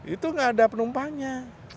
itu nggak ada penumpangnya